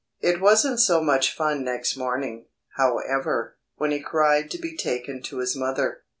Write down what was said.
It wasn't so much fun next morning, however, when he cried to be taken to his mother.